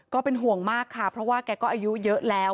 ก็เป็นห่วงมากค่ะเพราะว่าแกก็อายุเยอะแล้ว